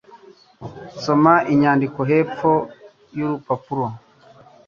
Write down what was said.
Soma inyandiko hepfo yurupapuro.